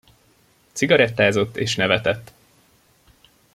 Cigarettázott és nevetett.